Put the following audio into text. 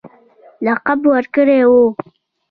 لقب ورکړی وو.